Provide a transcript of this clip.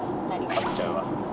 勝っちゃうわ。